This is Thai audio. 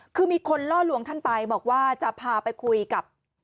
คือมีคนล่อลวงท่านไปบอกว่าจะพาไปคุยกับ